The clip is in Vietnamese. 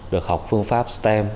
được học phương pháp stem